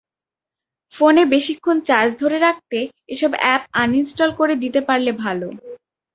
ফোনে বেশিক্ষণ চার্জ ধরে রাখতে এসব অ্যাপ আনইনস্টল করে দিতে পারলে ভালো।